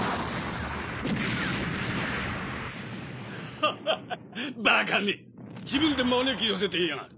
ハハハバカめ自分で招き寄せていやがる。